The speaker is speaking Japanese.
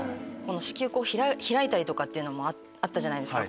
子宮口開いたりとかっていうのもあったじゃないですか。